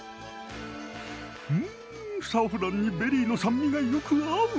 んサフランにベリーの酸味がよく合う。